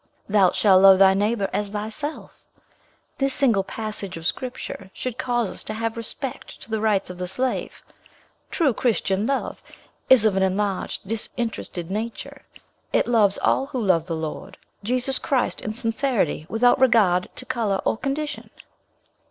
'Thou shalt love thy neighbour as thyself.' This single passage of Scripture should cause us to have respect to the rights of the slave. True Christian love is of an enlarged, disinterested nature. It loves all who love the Lord Jesus Christ in sincerity, without regard to colour or condition."